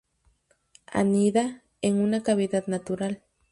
Anida en una cavidad natural.